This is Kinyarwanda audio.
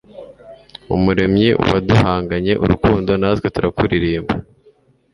umuremyi, waduhanganye urukundo, natwe turakuririmba